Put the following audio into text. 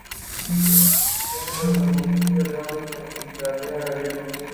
Es elegido miembro del primer consejo municipal de París.